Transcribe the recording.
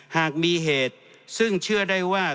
หากมีเหตุซึ่งเชื่อได้ว่า